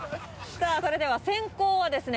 さぁそれでは先攻はですね